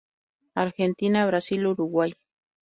Argentina, Brasil, Uruguay.